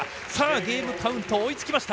ゲームカウント、追いつきました。